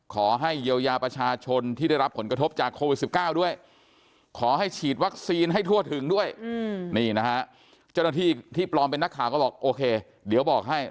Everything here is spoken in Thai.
ขอให้เยียวยาประชาชนที่ได้รับผลกระทบจากโควิด๑๙ด้วย